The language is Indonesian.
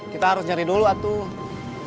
kita harus cari dulu atuh